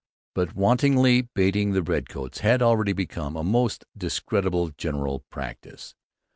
But wantonly baiting the redcoats had already become a most discreditable general practice.